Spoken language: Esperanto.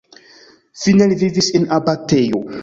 Fine li vivis en abatejo.